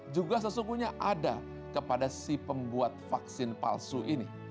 juga sesungguhnya ada kepada si pembuat vaksin palsu ini